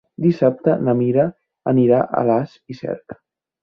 Dissabte na Mira anirà a Alàs i Cerc.